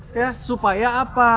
ya supaya apa